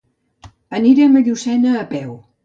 Anirem a Llucena a peu.